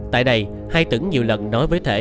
tại đây hai tửng nhiều lần nói với thể